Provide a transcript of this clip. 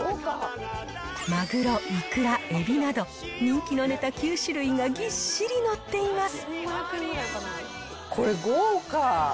まぐろ、いくら、えびなど、人気のネタ９種類がぎっしり載っています。